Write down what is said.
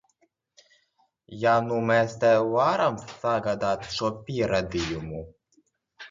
Ja nu mēs tev varam sagādāt šo pierādījumu?